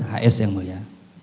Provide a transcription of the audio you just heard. hs yang mulia